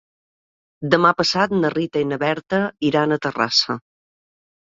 Demà passat na Rita i na Berta iran a Terrassa.